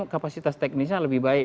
kapasitas teknisnya lebih baik